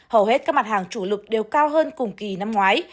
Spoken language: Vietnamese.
hầu hết các mặt hàng chủ lực đều cao hơn cùng kỳ năm ngoái